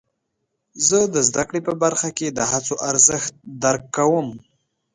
زه د زده کړې په برخه کې د هڅو ارزښت درک کوم.